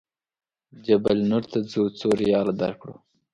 جبل نور ته ځو څو ریاله درکړو.